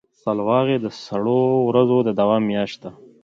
سلواغه د سړو ورځو د دوام میاشت ده.